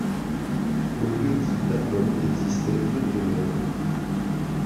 Au lieu-dit la Tomme existaient deux tomelles.